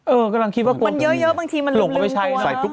เออกำลังคิดว่ากลัวมา